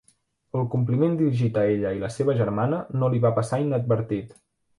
El compliment dirigit a ella i la seva germana no li va passar inadvertit.